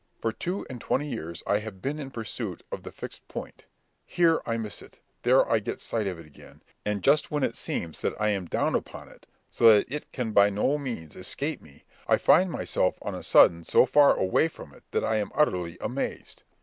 For two and twenty years I have been in pursuit of the fixed point; here I miss it, there I get sight of it again, and just when it seems that I am down upon it so that it can by no means escape me, I find myself on a sudden so far away from it that I am utterly amazed.